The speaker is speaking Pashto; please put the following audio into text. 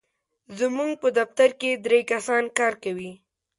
زموږ په دفتر کې درې کسان کار کوي.